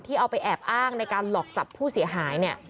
ที่เอาไปแอบอ้างในการหลอกจับผู้เสียหาย